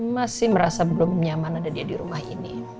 masih merasa belum nyaman ada dia di rumah ini